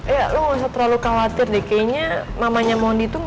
eh lo ga usah terlalu khawatir deh kayaknya mamanya mondi tuh